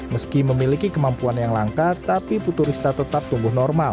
meski memiliki kemampuan yang langka tapi putu rista tetap tumbuh normal